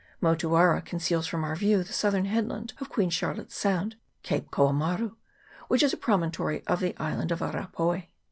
Motuara conceals from our view the southern headland of Queen Charlotte's Sound, Cape Koamaru, which is a promontory of the Island of Arapaoa.